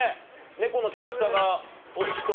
猫のキャラクターがお好きと。